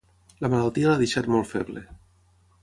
La malaltia l'ha deixat molt feble.